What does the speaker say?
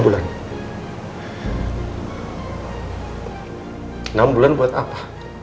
enam bulan buat apa